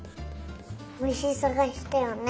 むしさがしたよね。